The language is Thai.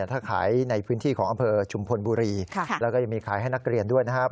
ถ้าขายในพื้นที่ของอำเภอชุมพลบุรีแล้วก็ยังมีขายให้นักเรียนด้วยนะครับ